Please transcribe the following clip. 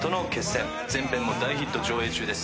前編も大ヒット上映中です。